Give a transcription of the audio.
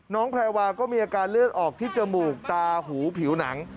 แพรวาก็มีอาการเลือดออกที่จมูกตาหูผิวหนัง